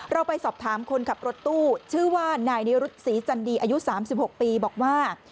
เราไปสอบถามคนขับรถตู้ชื่อว่านายนิรุธศรีจันดีอายุ๓๖ปีบอกว่า